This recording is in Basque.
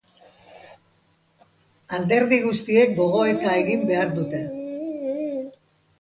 Alderdi guztiek gogoeta egin behar dute.